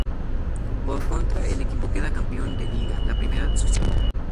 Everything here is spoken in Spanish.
Por contra el equipo queda campeón de liga, la primera de su historia.